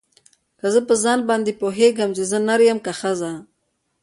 که زه په ځان باندې پوهېږم چې زه نر يمه که ښځه.